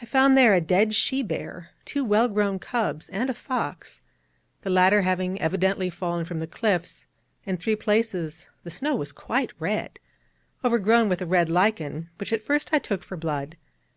I found there a dead she bear, two well grown cubs, and a fox, the latter having evidently fallen from the cliffs; in three places the snow was quite red, overgrown with a red lichen, which at first I took for blood.